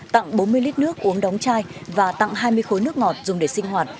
tặng bốn mươi lít nước uống đóng chai và tặng hai mươi khối nước ngọt dùng để sinh hoạt